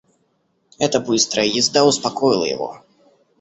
Эта быстрая езда успокоила его.